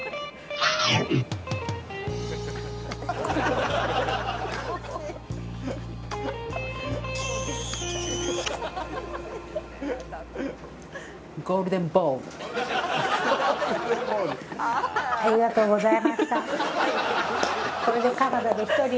はい。